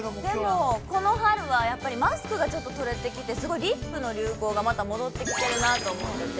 でも、この春はやっぱり、マスクがちょっと取れてきて、すごいリップの流行が、また戻ってきてるなと思ってて。